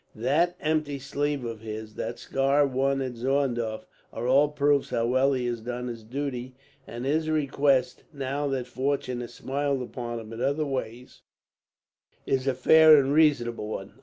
That empty sleeve of his, that scar won at Zorndorf, are all proofs how well he has done his duty; and his request, now that fortune has smiled upon him in other ways, is a fair and reasonable one.